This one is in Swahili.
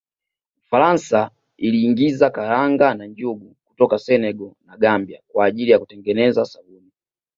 Ufaransa iliingiza karanga na njugu kutoka Senegal na Gambia kwa ajili ya kutengeneza sabuni